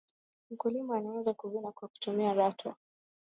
mkulima anaweza kuvuna kwa kutumia rato